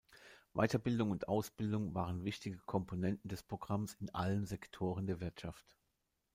Weiterbildung und Ausbildung waren wichtige Komponenten des Programms in allen Sektoren der Wirtschaft.